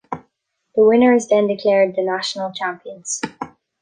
The winner is then declared the national champions.